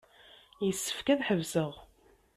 Yessefk ad ḥebseɣ.